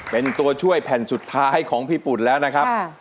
เป็นตัวช่วยแผ่นสุดท้ายของพี่ปุ่นแล้วนะครับ